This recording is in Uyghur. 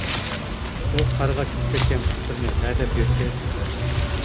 ئۇ قارغا چۆكۈپ كەتكەن پۇتلىرىنى ھە دەپ يۆتكەيتتى.